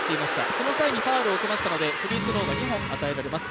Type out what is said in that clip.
その際にファウルを受けましたので、フリースローが２本与えられます。